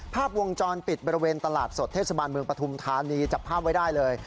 ภาพวงจรปิดบริเวณตลาดสดเทศบาลเมืองปฐุมธานีจับภาพไว้ได้เลย